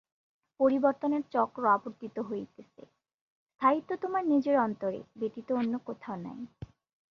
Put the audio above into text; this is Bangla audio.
পরিবর্তনের চক্র আবর্তিত হইতেছে! স্থায়িত্ব তোমার নিজের অন্তরে ব্যতীত অন্য কোথাও নাই।